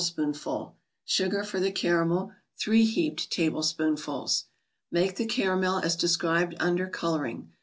spoonful ; Sugar for the Caramel, 3 heaped table¬ spoonfuls. Make the caramel as described under " Coloring."